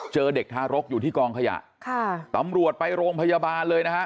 เจอเด็กทารกอยู่ที่กองขยะค่ะตำรวจไปโรงพยาบาลเลยนะฮะ